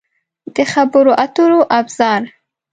د خبرو اترو ابزار